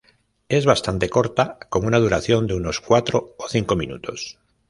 Es bastante corta, con una duración de unos cuatro o cinco minutos.